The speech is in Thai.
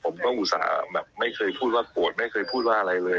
ผมก็อุตส่าห์แบบไม่เคยพูดว่าโกรธไม่เคยพูดว่าอะไรเลย